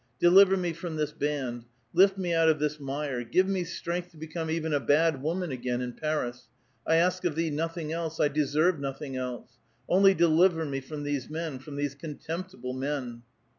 Deliver me from this band. Lift me out of this mire. Give me strength to become even a bad woman again in Paris ; I ask of Thee nothing else : I deserve nothing else. Only deliver me from these men, from these contemptible men